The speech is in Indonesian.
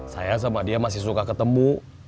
saya sama dia masih suka ketemu